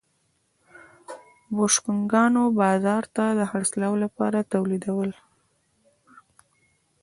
بوشونګانو بازار ته د خرڅلاو لپاره تولیدول.